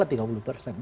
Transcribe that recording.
mereka dapat tambahan ya